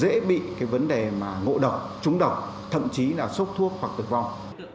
dễ bị cái vấn đề mà ngộ độc trúng độc thậm chí là sốc thuốc hoặc tử vong